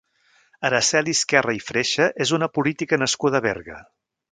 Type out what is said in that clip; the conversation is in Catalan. Araceli Esquerra i Freixa és una política nascuda a Berga.